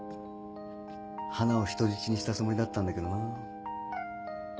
花を人質にしたつもりだったんだけどな。